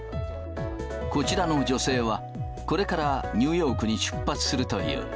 こちらの女性は、これからニューヨークに出発するという。